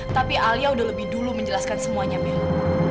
tapi alia udah lebih dulu menjelaskan semuanya bingung